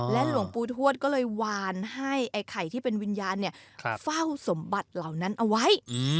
หลวงปู่ทวดก็เลยวานให้ไอ้ไข่ที่เป็นวิญญาณเฝ้าสมบัติเหล่านั้นเอาไว้